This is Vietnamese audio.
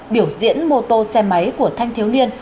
biểu diễn mô tô xe máy của thanh thiếu niên